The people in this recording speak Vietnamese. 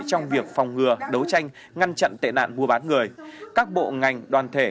trong việc phòng ngừa đấu tranh ngăn chặn tệ nạn mua bán người các bộ ngành đoàn thể